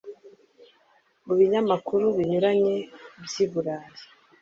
Mu binyamakuru binyuranye by’i Burayi